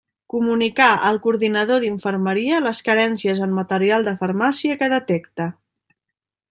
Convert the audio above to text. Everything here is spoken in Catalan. Comunicar al Coordinador d'Infermeria les carències en material de farmàcia que detecte.